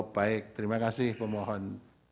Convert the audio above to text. baik terima kasih pemohon